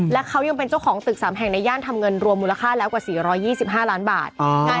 และเขายังเป็นเจ้าของตึก๓แห่งในย่านทำเงินรวมมูลค่าแล้วกว่า๔๒๕ล้านบาท